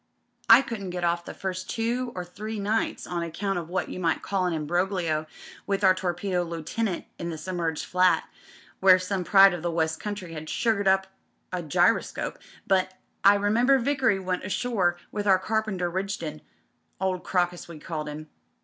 I couldn't get off the first two or three nights on account of what you might call an imbroglio with our Torpedo Lieutenant in the submerged flat, where some pride of the West country had sugared up a gyroscope; but I remember Vickery went ashore with our Carpenter Rigdon — old Crocus we called him.